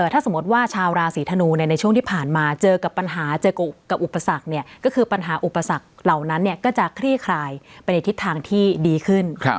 ถ้าสมมติว่าชาวราศีธนูในช่วงที่ผ่านมาเจอกับปัญหาเจอกับอุปสรรคก็คือปัญหาอุปสรรคเหล่านั้นก็จะคลี่คลายไปในทิศทางที่ดีขึ้น